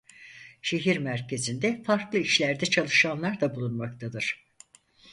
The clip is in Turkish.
Şehir merkezinde farklı işlerde çalışanlar da bulunmaktadır.